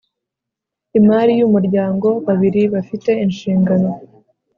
imari y umuryango babiri bafite inshingano